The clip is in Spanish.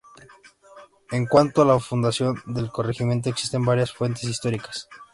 En cuanto a la fundación del Corregimiento, existen varias fuentes históricas.